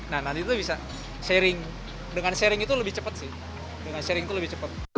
nah nanti tuh bisa sharing dengan sharing itu lebih cepat sih